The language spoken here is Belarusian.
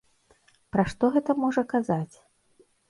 Пра што гэта можа казаць?